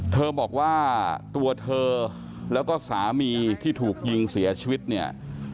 เธอบอกว่าตัวเธอแล้วก็สามีที่ถูกยิงเสียชีวิตเนี่ย